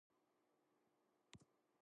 私は毎日コーヒーを飲みます。